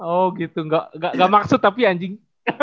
oh gitu nggak maksud tapi anjing